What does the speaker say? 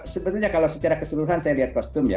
sebenarnya kalau secara keseluruhan saya lihat kostum ya